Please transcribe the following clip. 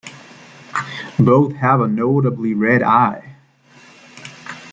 Both have a notably red eye.